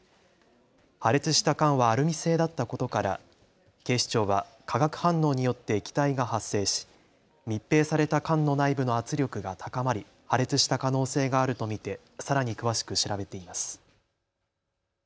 破裂した缶はアルミ製だったことから警視庁は化学反応によって気体が発生し密閉された缶の内部の圧力が高まり破裂した可能性があると見てさらに詳しく調べています。